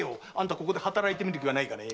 ここで働いてみる気はないかね？